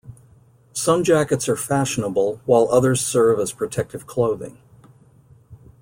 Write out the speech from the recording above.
Some jackets are fashionable, while others serve as protective clothing.